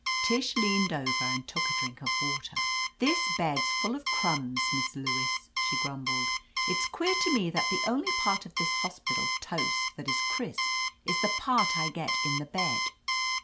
Tish leaned over and took a drink of water. "This bed's full of crumbs. Miss Lewis," she grumbled. "It's queer to me that the only part of this hospital toast that is crisp is the part I get in the bed